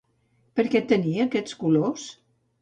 Per què tenia aquests colors?